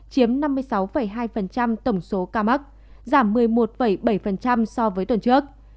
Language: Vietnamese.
chiếm năm mươi sáu hai tổng số ca mắc giảm một mươi một bảy so với tuần trước